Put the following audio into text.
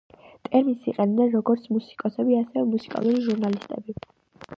ტერმინს იყენებენ როგორც მუსიკოსები, ასევე მუსიკალური ჟურნალისტები.